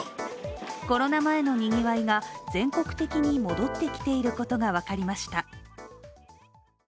コロナ前のにぎわいが全国的に戻ってきていることが分かりました。